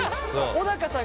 小高さんが。